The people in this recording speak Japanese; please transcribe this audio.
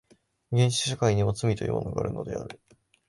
原始社会にも罪というものがあるのである。